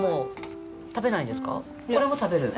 これも食べる？